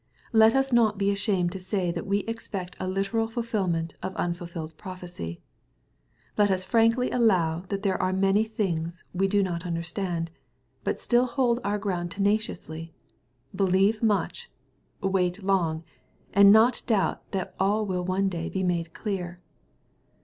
Let us not be ashamed to say that we expect a literal fulfilment of unfulfilled prophecy. Let us frankly allow that there are many things we do not understand, but still hold our ground tenaciously, — believe much, — ^wait long, — and not doubt that all will one day be made clear.